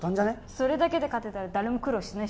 それだけで勝てたら誰も苦労しない